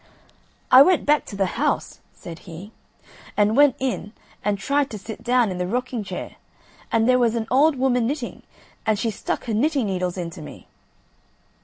"I went back to the house," said he, "and went in and tried to sit down in the rocking chair, and there was an old woman knitting, and she stuck her knitting needles into me."